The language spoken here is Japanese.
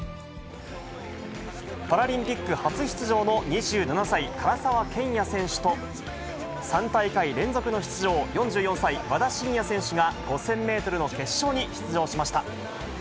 パラリンピック初出場の２７歳、唐澤剣也選手と、３大会連続の出場、４４歳、和田伸也選手が、５０００メートルの決勝に出場しました。